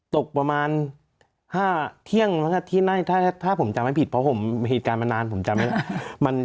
ตกประมาณ๕เที่ยงถ้าผมจำไม่ผิดเพราะเหตุการณ์มันนานผมจำไม่ได้